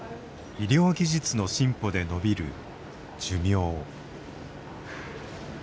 医療技術の進歩でのびる寿命。